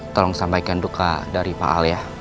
tolong sampaikan duka dari pak al ya